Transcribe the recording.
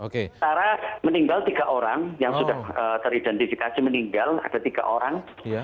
sementara meninggal tiga orang yang sudah teridentifikasi meninggal ada tiga orang